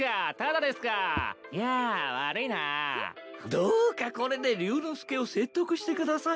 どうかこれで竜之介を説得してください。